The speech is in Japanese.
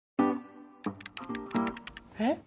えっ？